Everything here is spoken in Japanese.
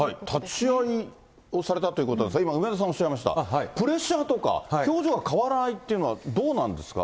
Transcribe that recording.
立ち会いをされたということなんですが、今、梅沢さんおっしゃいました、プレッシャーとか、表情が変わらないというのは、どうなんですか。